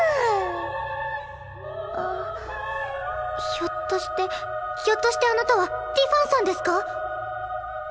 ひょっとしてひょっとしてあなたはティファンさんですか？